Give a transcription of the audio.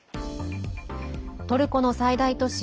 トルコの最大都市